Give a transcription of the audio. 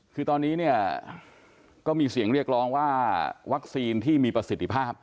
คือตอนนี้เนี่ยก็มีเสียงเรียกร้องว่าวัคซีนที่มีประสิทธิภาพ